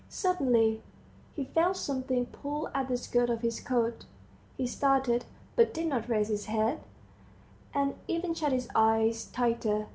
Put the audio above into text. Suddenly he felt something pull at the skirt of his coat. He started, but did not raise his head, and even shut his eyes tighter.